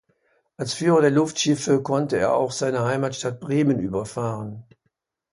Als Führer der Luftschiffe konnte er auch seine Heimatstadt Bremen überfahren.